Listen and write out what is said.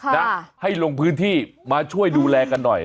นะให้ลงพื้นที่มาช่วยดูแลกันหน่อย